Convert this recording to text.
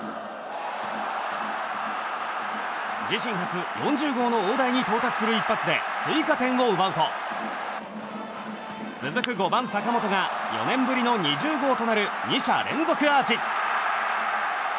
自身初４０号の大台に乗る一発で、追加点を奪うと続く５番、坂本が４年ぶりの２０号となる２者連続アーチ。